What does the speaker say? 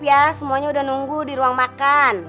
ya semuanya udah nunggu di ruang makan